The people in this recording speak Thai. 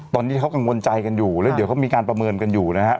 ตอนนี้เขากังวลใจกันอยู่แล้วเดี๋ยวเขามีการประเมินกันอยู่นะครับ